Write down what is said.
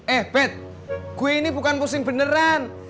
eh bet gue ini bukan pusing beneran